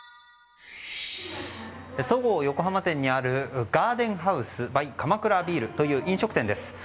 そごう横浜店にあるガーデンハウスＢＹ鎌倉ビールという飲食店です。